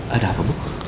ada apa bu